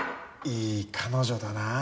いい彼女だなあ。